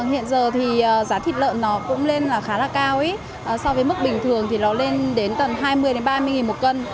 hiện giờ thì giá thịt lợn nó cũng lên là khá là cao so với mức bình thường thì nó lên đến tầng hai mươi ba mươi nghìn một cân